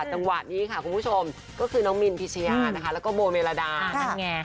จังหวะนี้ค่ะคุณผู้ชมก็คือน้องมินพิชยานะคะแล้วก็โบเมลดานั่นไง